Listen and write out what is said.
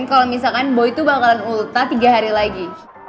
kalau misalkan boy itu bakalan ulta tiga hari lagi